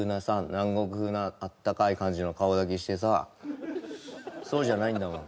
南国風なあったかい感じの顔だけしてさそうじゃないんだもん